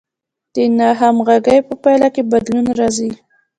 د ناهمغږۍ په پایله کې بدلون راځي.